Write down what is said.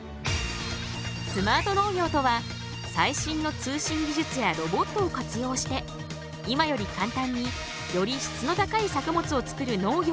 スマート農業とは最新の通信技術やロボットを活用して今より簡単により質の高い作物を作る農業のこと。